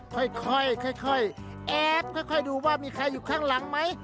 ค่อยค่อยค่อยค่อยแอบค่อยค่อยดูว่ามีใครอยู่ข้างหลังไหม